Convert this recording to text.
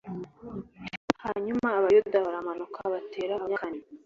Hanyuma Abayuda baramanuka batera Abanyakanani